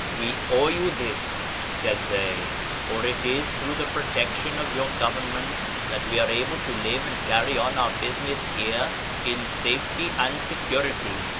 " We owe you this," said they, " for it is through the protection of your government that we are able to live and carry on our business here in safety and security."